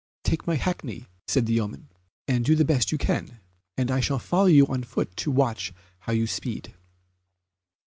"Take my hackney," said the yeoman, "and do the best you can, and I shall follow you on foot to watch how you speed."